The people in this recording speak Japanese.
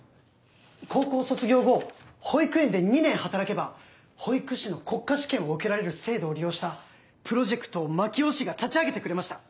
高校卒業後保育園で２年働けば保育士の国家試験を受けられる制度を利用したプロジェクトを槙尾市が立ち上げてくれました。